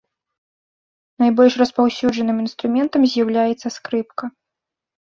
Найбольш распаўсюджаным інструментам з'яўляецца скрыпка.